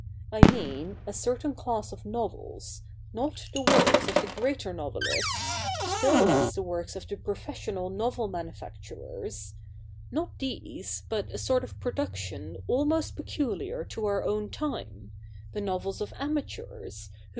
I mean, a certain class of novels : not the works of the greater novelists, still less the works of the professional novel manu facturers ; not these, but a sort of production almost peculiar to our own time — the novels of amateurs, who o 2 212 THE NEW REPUBLIC [bk.